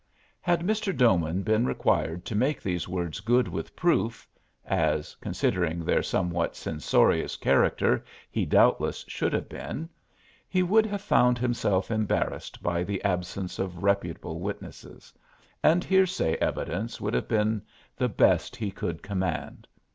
Had Mr. Doman been required to make these words good with proof as, considering their somewhat censorious character, he doubtless should have been he would have found himself embarrassed by the absence of reputable witnesses, and hearsay evidence would have been the best he could command.